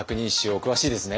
お詳しいですね。